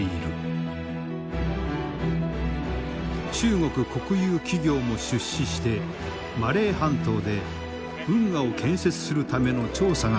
中国国有企業も出資してマレー半島で運河を建設するための調査が始まっていた。